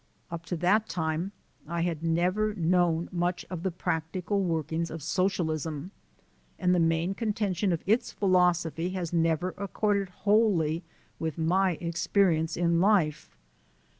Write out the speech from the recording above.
Up to that time I had never known much of the practical workings of Socialism; and the main contention of its philosophy has never accorded wholly with my experience in life.